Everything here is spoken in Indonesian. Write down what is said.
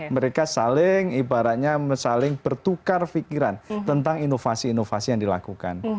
mereka saling ibaratnya saling bertukar pikiran tentang inovasi inovasi yang dilakukan